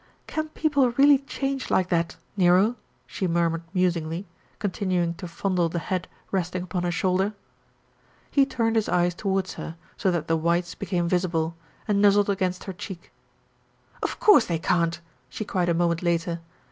"Can people really change like that, Nero?" she murmured musingly, continuing to fondle the head rest ing upon her shoulder. NERO IN DISGRACE 187 He turned his eyes towards her so that the whites became visible, and nuzzled against her cheek. "Of course they can't!" she cried a moment later.